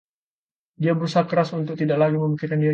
Dia berusaha keras untuk tidak lagi memikirkan dirinya.